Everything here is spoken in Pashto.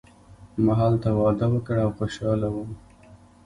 ما هلته واده وکړ او خوشحاله وم.